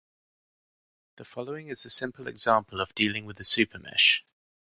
The following is a simple example of dealing with a supermesh.